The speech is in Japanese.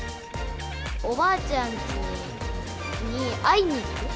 おばあちゃんちに会いに行く。